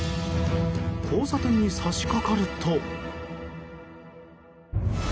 交差点に差し掛かると。